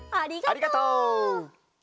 ありがとう！